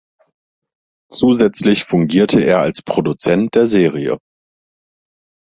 Zusätzlich fungierte er als Produzent der Serie.